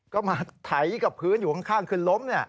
ก็มาไถกับพื้นอยู่ข้างคือล้ม